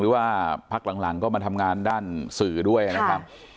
หรือว่าพักหลังก็มาทำงานด้านสื่อด้วยนะครับ